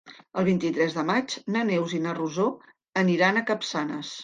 El vint-i-tres de maig na Neus i na Rosó aniran a Capçanes.